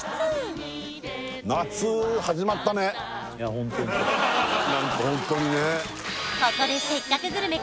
ホントになんかホントにね